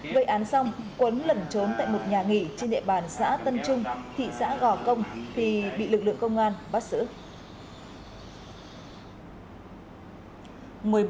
vậy án xong quấn lẩn trốn tại một nhà nghỉ trên địa bàn xã tân trung thị xã gò công thì bị lực lượng công an bắt xử